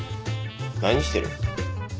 何してる？